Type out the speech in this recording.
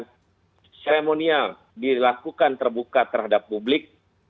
seremonial dilakukan terbuka terhadap publik